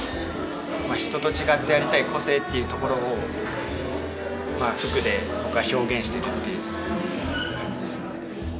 人と違ったやりたい個性っていうところをまあ服で僕は表現してたっていう感じですね。